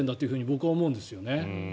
僕は思うんですよね。